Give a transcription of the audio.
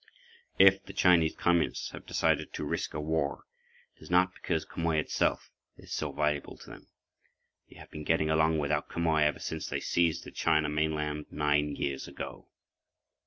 If the Chinese Communists have decided to risk a war, it is not because Quemoy itself is so valuable to them. They have been getting along without Quemoy ever since they seized the China mainland 9 years ago.